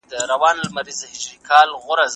زه اجازه لرم چي تمرين وکړم!!